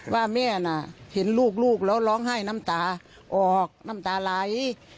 ว่าแม่น่ะเห็นลูกแล้วร้องไห้น้ำตาออกน้ำตาไหล